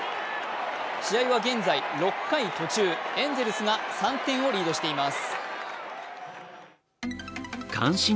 試合は現在６回途中、エンゼルスが３点をリードしています。